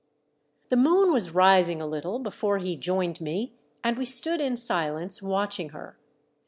The moon was rising a little before he joined me, and we stood in silence watching her.